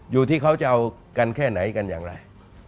อยู่ที่เขาจะเอากันแค่ไหนกันอย่างไร